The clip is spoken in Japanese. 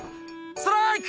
ストライク！